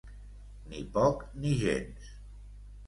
Ni poc ni gens.